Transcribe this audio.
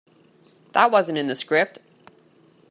That wasn't in the script.